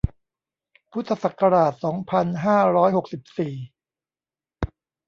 พุทธศักราช สองพันห้าร้อยหกสิบสี่